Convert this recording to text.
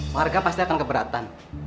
warga pasti akan keberatan